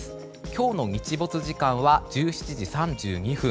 今日の日没時間は１７時３２分。